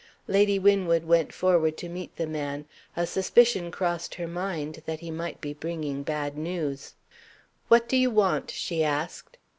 Lady Winwood went forward to meet the man. A suspicion crossed her mind that he might be bringing bad news. "What do you want?" she asked.